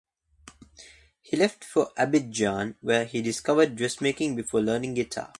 He left for Abidjan where he discovered dressmaking before learning guitar.